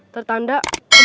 tertanda empuk hati